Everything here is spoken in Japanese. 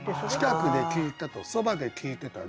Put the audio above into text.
「近くで聴いた」と「そばで聴いてた」